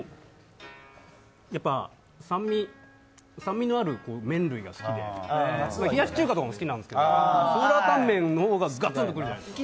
やっぱ酸味のある麺類が好きで、冷やし中華も好きなんですけどスーラータンメンの方がガツンと来るじゃないですか。